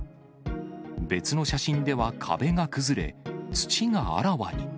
別の写真では壁が崩れ、土があらわに。